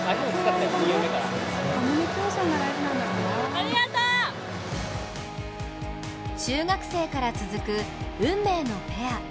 ありがとう！中学生から続く運命のペア。